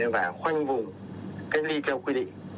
và khoanh vùng cách ly theo quy định